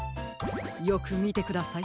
よくみてください。